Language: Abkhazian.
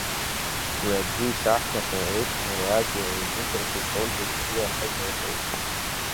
Уи абжьы, ишаҳҳәахьоу еиԥш, радиола идәықәрҵоит Польша зегьы иахыҵәартә еиԥш.